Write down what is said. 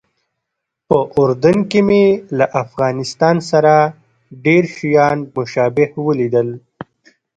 په اردن کې مې له افغانستان سره ډېر شیان مشابه ولیدل.